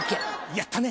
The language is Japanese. やったね！